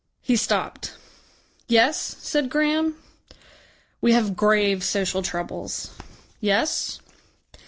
He stopped. "Yes?" said Graham. "We have grave social troubles." "Yes?"